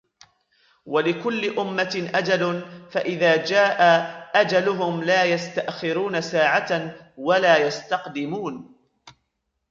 ولكل أمة أجل فإذا جاء أجلهم لا يستأخرون ساعة ولا يستقدمون